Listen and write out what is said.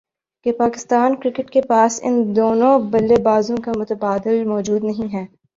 کہ پاکستان کرکٹ کے پاس ان دونوں بلے بازوں کا متبادل موجود نہیں ہے